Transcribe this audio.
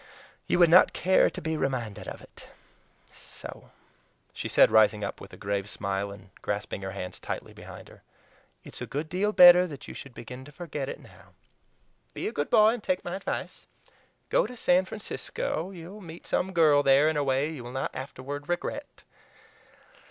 You would not care to be reminded of it. So," she said, rising up with a grave smile and grasping her hands tightly behind her, "it's a good deal better that you should begin to forget it now. Be a good boy and take my advice. Go to San Francisco. You will meet some girl there in a way you will not afterward regret.